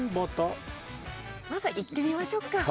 まずは行ってみましょうか。